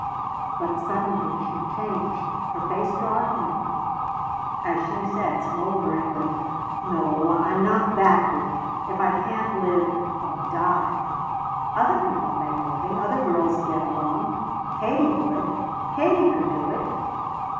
But suddenly she changed, her face darkening as she said, smolderingly: "No I'm not that weak. If I can't live I'll die. Other people make a living! Other girls get along! Katie would. Katie could do it."